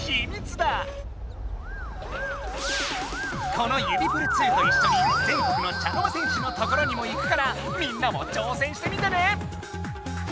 この指プル２といっしょに全国の茶の間戦士のところにも行くからみんなも挑戦してみてね！